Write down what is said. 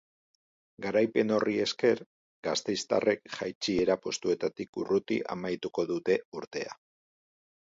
Garaipen horri esker, gasteiztarrek jaitsiera postuetatik urruti amaituko dute urtea.